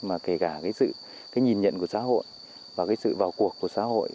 mà kể cả cái sự cái nhìn nhận của xã hội và cái sự vào cuộc của xã hội